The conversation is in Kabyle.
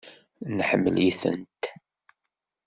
Neḥemmel-itent.